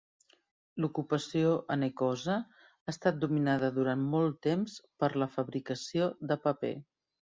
L'ocupació a Nekoosa ha estat dominada durant molt temps per la fabricació de paper.